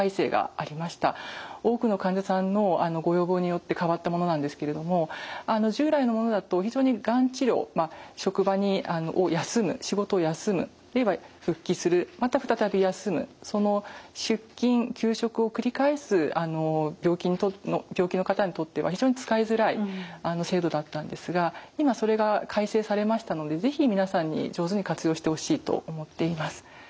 多くの患者さんのご要望によって変わったものなんですけれども従来のものだと非常にがん治療職場を休む仕事を休む復帰するまた再び休むその出勤・休職を繰り返す病気の方にとっては非常に使いづらい制度だったんですが今それが改正されましたので是非皆さんに上手に活用してほしいと思っています。